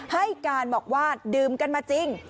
ให้การบอกว่าดื่มกันมาจริง